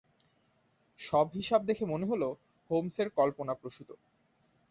সব হিসাব দেখে মনে হল হোমসের কল্পনাপ্রসূত।